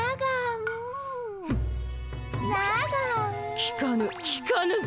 きかぬきかぬぞ。